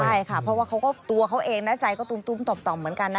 ใช่ค่ะเพราะว่าเขาก็ตัวเขาเองนะใจก็ตุ้มต่อมเหมือนกันนะ